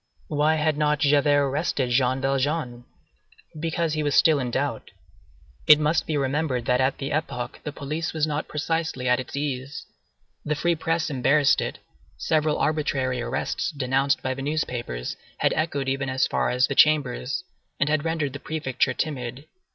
Why had not Javert arrested Jean Valjean? Because he was still in doubt. It must be remembered that at that epoch the police was not precisely at its ease; the free press embarrassed it; several arbitrary arrests denounced by the newspapers, had echoed even as far as the Chambers, and had rendered the Prefecture timid.